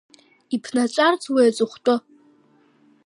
Иԥнаҵәарц уи аҵыхәтәы…